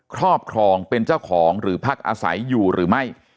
ครอบครองเป็นเจ้าของหรือพักอาศัยอยู่หรือไม่